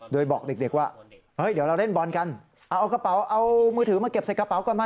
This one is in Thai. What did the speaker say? โดยบอกเด็กว่าเฮ้ยเดี๋ยวเราเล่นบอลกันเอากระเป๋าเอามือถือมาเก็บใส่กระเป๋าก่อนมา